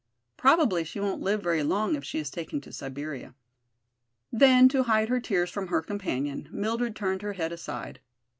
Probably she won't live very long, if she is taken to Siberia." Then, to hide her tears from her companion, Mildred turned her head aside.